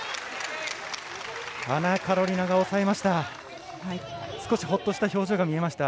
アナカロリナが押さえました。